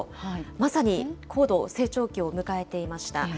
まさに高度成長期を迎えていました。